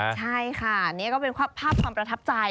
ใช่ค่ะนี่ก็เป็นภาพความประทับใจ